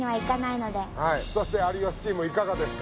そして有吉チームいかがですか？